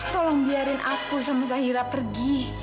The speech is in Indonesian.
tolong biarin aku sama zahira pergi